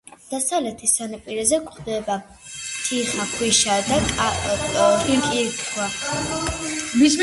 დასავლეთ სანაპიროზე გვხვდება თიხა, ქვიშა და კირქვა.